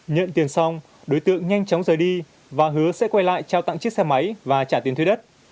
nhận tiền xong đối tượng nhanh chóng rời đi và hứa sẽ quay lại trao tặng chiếc xe máy và trả tiền thuê đất